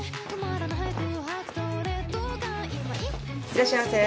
いらっしゃいませ。